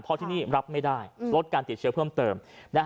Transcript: เพราะที่นี่รับไม่ได้ลดการติดเชื้อเพิ่มเติม